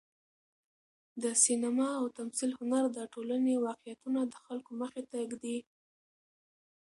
د سینما او تمثیل هنر د ټولنې واقعیتونه د خلکو مخې ته ږدي.